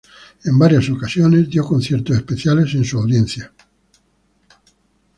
En varias ocasiones dio conciertos especiales en su audiencia.